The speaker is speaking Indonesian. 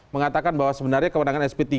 mengatakan bahwa sebenarnya kewenangan sp tiga